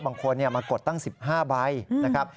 บางคนมากดตั้ง๑๕ใบนะครับ